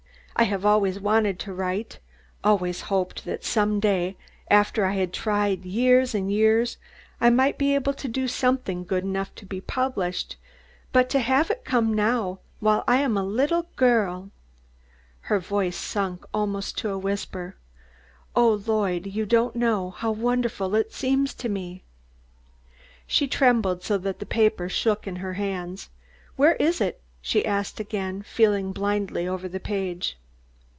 I have always wanted to write always hoped that some day, after I had tried years and years, I might be able to do something good enough to be published, but to have it come now while I am a little girl," her voice sunk almost to a whisper, "oh, Lloyd you don't know how wonderful it seems to me!" She was trembling so that the paper shook in her hands. "Where is it?" she asked again, feeling blindly over the page.